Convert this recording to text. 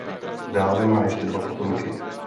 Dále má ještě dva potomky.